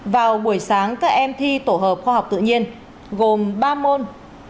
vào buổi sáng các em thi tổ hợp khoa học tự nhiên gồm ba môn